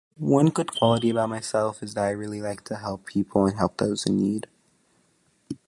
One good quality about myself is that I really like to help people, and help those in need.